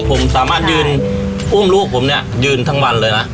ผมสามารถยืนอุ้มลูกผมเนี่ยยืนทั้งวันเลยนะ